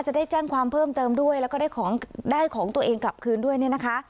จะได้แจ้งความเพิ่มเติมด้วยแล้วก็ได้ของได้ของตัวเองกลับคืนด้วยเนี่ยนะคะ